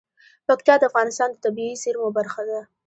پکتیا د افغانستان د طبیعي زیرمو برخه ده.